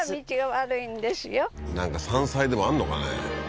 なんか山菜でもあんのかね